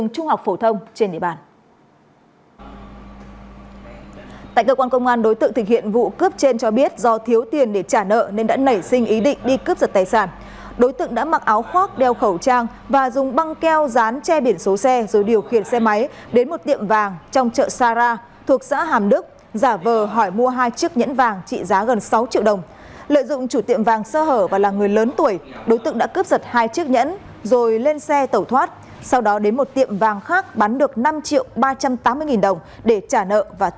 hai chiếc nhẫn rồi lên xe tẩu thoát sau đó đến một tiệm vàng khác bán được năm triệu ba trăm tám mươi nghìn đồng để trả nợ và tiêu sải cá nhân